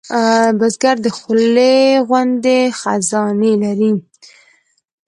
بزګر د خولې غوندې خزانې لري